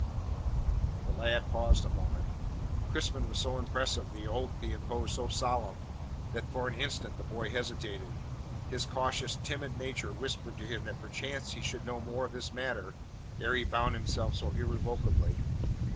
The lad paused a moment. Crispin was so impressive, the oath he imposed so solemn, that for an instant the boy hesitated. His cautious, timid nature whispered to him that perchance he should know more of this matter ere he bound himself so irrevocably.